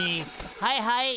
はいはい。